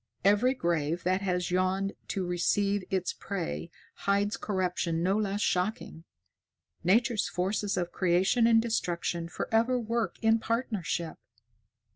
Every grave that has yawned to receive its prey hides corruption no less shocking. Nature's forces of creation and destruction forever work in partnership.